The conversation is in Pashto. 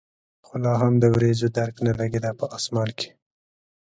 خو لا هم د ورېځو درک نه لګېده په اسمان کې.